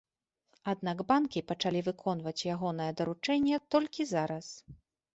Аднак банкі пачалі выконваць ягонае даручэнне толькі зараз.